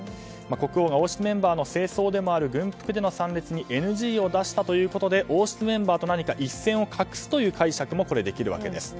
国王が王室メンバーの正装でもある軍服での参列にＮＧを出したということで王室メンバーと何か一線を画すという解釈もできるわけです。